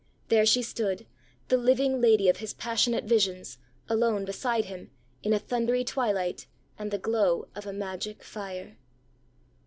There she stood, the living lady of his passionate visions, alone beside him, in a thundery twilight, and the glow of a magic fire.